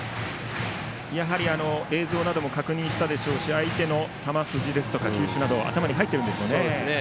やはり映像なども確認したでしょうし相手の球筋や球種などは頭に入っているんでしょうね。